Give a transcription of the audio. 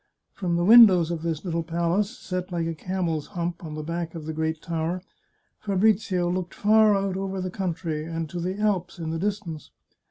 From the windows of this little palace, set like a camel's hump on the back of the great tower, Fabrizio looked far out over the country, and to the Alps in the distance.